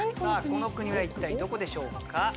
この国は一体どこでしょうか。